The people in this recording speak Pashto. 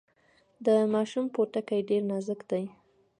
د ماشوم پوټکی ډیر نازک دی۔